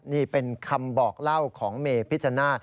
นี่เป็นคำบอกเล่าของเมพิจารณา